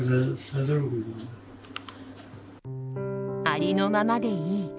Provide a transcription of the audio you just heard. ありのままでいい。